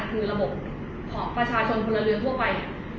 คือระบบของประชาชนพลเรือนทั่วไป